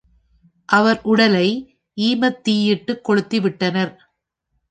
அவர் உடலை ஈமத்தீயிட்டுக் கொளுத்தி விட்டனர்.